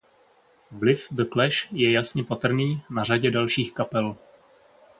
Vliv The Clash je jasně patrný na řadě dalších kapel.